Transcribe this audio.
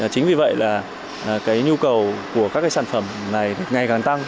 chính vì vậy là cái nhu cầu của các cái sản phẩm này ngày càng tăng